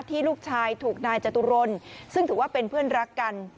ลูกชายถูกนายจตุรนซึ่งถือว่าเป็นเพื่อนรักกัน